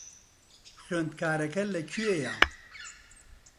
خوێندکارەکە لەکوێیە؟